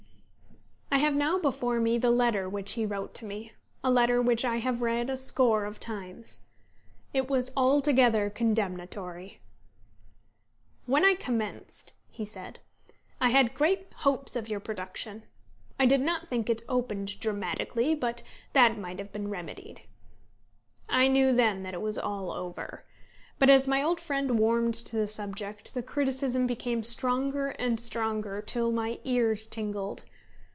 I have now before me the letter which he wrote to me, a letter which I have read a score of times. It was altogether condemnatory. "When I commenced," he said, "I had great hopes of your production. I did not think it opened dramatically, but that might have been remedied." I knew then that it was all over. But, as my old friend warmed to the subject, the criticism became stronger and stronger, till my ears tingled.